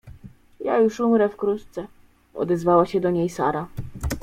— Ja już umrę wkrótce… — odezwała się do niej Sara.